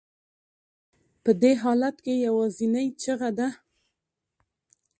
په دې حالت کې یوازینۍ چیغه ده.